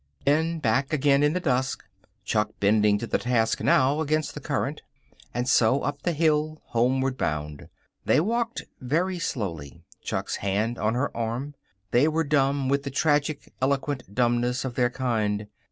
Then back again in the dusk, Chuck bending to the task now against the current. And so up the hill, homeward bound. They walked very slowly, Chuck's hand on her arm. They were dumb with the tragic, eloquent dumbness of their kind.